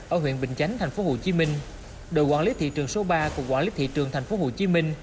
ở huyện bình chánh tp hcm đội quản lý thị trường số ba của quản lý thị trường tp hcm